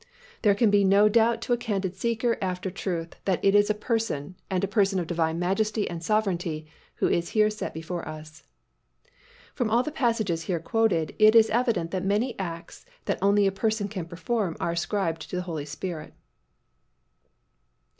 There can be no doubt to a candid seeker after truth that it is a Person, and a person of Divine majesty and sovereignty, who is here set before us. From all the passages here quoted, it is evident that many acts that only a person can perform are ascribed to the Holy Spirit.